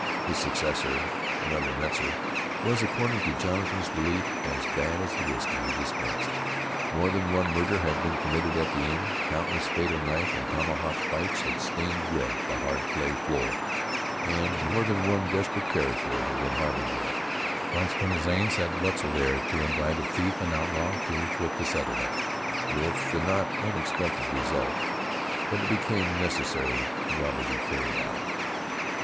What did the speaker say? His successor, another Metzar, was, according to Jonathan's belief, as bad as the whiskey he dispensed. More than one murder had been committed at the inn; countless fatal knife and tomahawk fights had stained red the hard clay floor; and more than one desperate character had been harbored there. Once Colonel Zane sent Wetzel there to invite a thief and outlaw to quit the settlement, with the not unexpected result that it became necessary the robber be carried out.